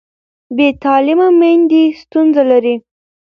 بې تعلیمه میندې ستونزه لري.